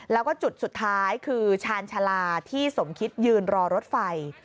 แล้วก็จุดสุดท้ายคือชาญชาลาที่สมคิดยืนรอรถไฟ